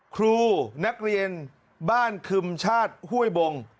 ครูนักเรียนบ้านคึมชาติห้วยบง